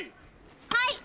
はい！